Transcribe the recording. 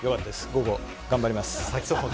午後頑張ります。